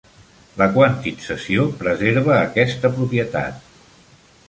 La quantització preserva aquesta propietat.